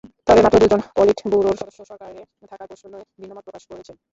তবে মাত্র দুজন পলিট ব্যুরোর সদস্য সরকারে থাকার প্রশ্নে ভিন্নমত প্রকাশ করেছেন।